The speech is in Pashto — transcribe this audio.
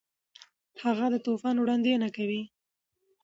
هغه د طوفان وړاندوینه کوي.